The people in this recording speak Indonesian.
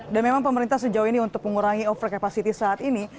dan memang pemerintah sejauh ini untuk mengurangi over capacity saat ini